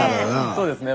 そうですね。